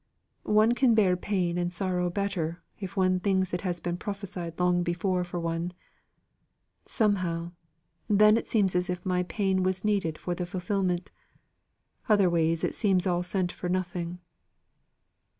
One can bear pain and sorrow better if one thinks it has been prophesied long before for one: somehow, then it seems as if my pain was needed for the fulfilment; otherways it seems all sent for nothing."